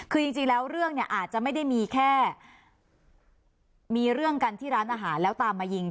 คือเรื่องอาจจะไม่ได้มีแค่มีเรื่องกันที่ร้านอาหารแล้วตามมายิง